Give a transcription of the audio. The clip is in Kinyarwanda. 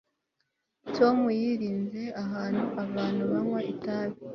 tom yirinze ahantu abantu banywa itabi